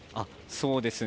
そうですね。